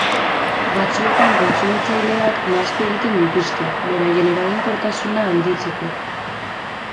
Batzuetan, kontsumitzaileak nahastu egiten dituzte, beraien eraginkortasuna handitzeko.